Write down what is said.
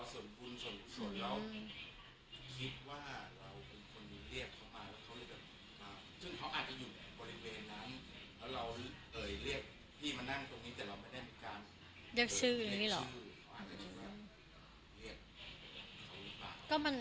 อ่าซึ่งเขาอาจจะอยู่แบบบริเวณนั้นแล้วเราเอ่ยเรียกพี่มานั่งตรงนี้แต่เราไม่ได้บิดการเรียกชื่อเขาหรือเปล่า